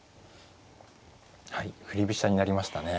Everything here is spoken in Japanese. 振り飛車になりましたね。